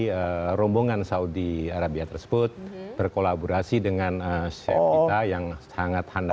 karena rombongan saudi arabia tersebut berkolaborasi dengan chef kita yang sangat handal